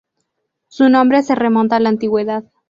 Su nombre se remonta a la antigüedad.